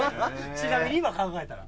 ちなみに今考えたら。